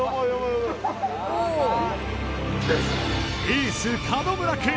エース門村君